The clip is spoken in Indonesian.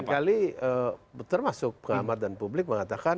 seringkali termasuk pengamat dan publik mengatakan